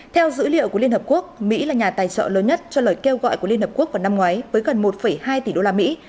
theo dữ liệu của liên hợp quốc mỹ là nhà tài trợ lớn nhất cho lời kêu gọi của liên hợp quốc vào năm ngoái với gần một hai tỷ đô la mỹ